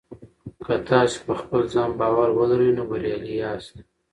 که تاسي په خپل ځان باور ولرئ نو بریالي یاست.